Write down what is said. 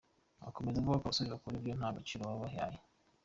Akomeza avuga ko abasore bakora ibyo nta gaciro baba bihaye.